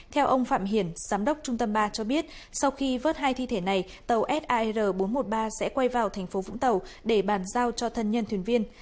theo ông phạm hiển giám đốc trung tâm ba cho biết sau khi vớt hai thi thể này tàu sar bốn trăm một mươi ba sẽ quay vào thành phố vũng tàu để bàn giao cho thân nhân thuyền viên